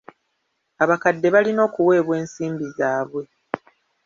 Abakadde balina okuweebwa ensimbi zaabwe.